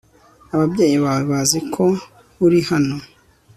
Ababyeyi bawe bazi ko uri hano